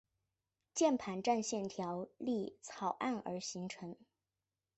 键盘战线条例草案而成立。